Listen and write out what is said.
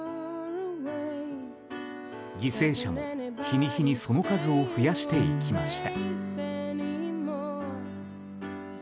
犠牲者も、日に日にその数を増やしていきました。